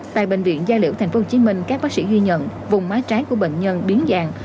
tại bệnh viện giai liệu tp hcm các bác sĩ ghi nhận vùng má trái của bệnh nhân biến dàng